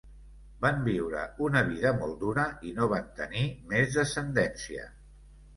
Van viure una vida molt dura i no van tenir més descendència.